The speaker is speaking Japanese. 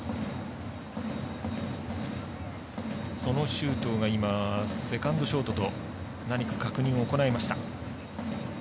周東が今、セカンド、ショートと何か確認を行いました。